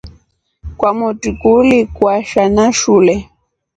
Kwamotru kuli kwasha na shule.